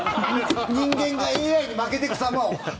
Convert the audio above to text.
人間がＡＩに負けていく様を。